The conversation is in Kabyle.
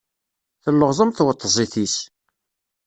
Telleɣẓam tweṭzit-is.